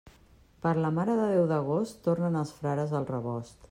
Per la Mare de Déu d'agost, tornen els frares al rebost.